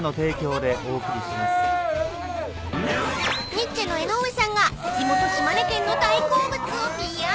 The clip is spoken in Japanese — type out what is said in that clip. ［ニッチェの江上さんが地元島根県の大好物をＰＲ］